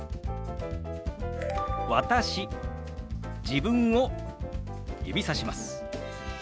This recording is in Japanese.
自分を指さします。